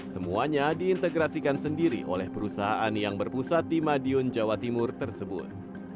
semuanya diintegrasikan sendiri oleh perusahaan yang berpusat di madiun jawa timur tersebut